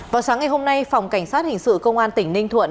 vào sáng ngày hôm nay phòng cảnh sát hình sự công an tỉnh ninh thuận